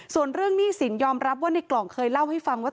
ส่วนเรื่องหนี้สินยอมรับว่าในกล่องเคยเล่าให้ฟังว่า